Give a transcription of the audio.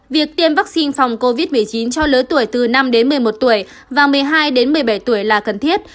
việc tiêm vaccine phòng covid một mươi chín cho lứa tuổi từ năm đến một mươi một tuổi và một mươi hai đến một mươi bảy tuổi là cần thiết